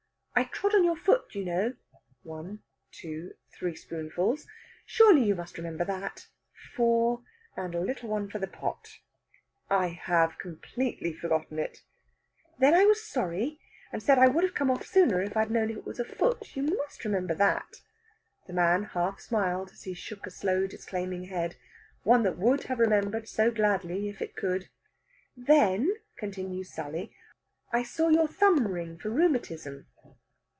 "I trod on your foot, you know. (One, two, three spoonfuls.) Surely you must remember that? (Four, and a little one for the pot.)" "I have completely forgotten it." "Then I was sorry, and said I would have come off sooner if I had known it was a foot. You must remember that?" The man half smiled as he shook a slow disclaiming head one that would have remembered so gladly, if it could. "Then," continues Sally, "I saw your thumb ring for rheumatism."